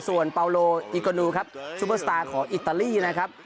ส่วนเปาโลอิโกนูครับซูเปอร์สตาร์ของอิตาลีนะครับ